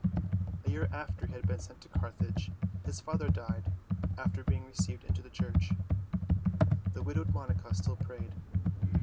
A year after he had been sent to Carthage, his father died after being received into the Church. The widowed Monica still prayed.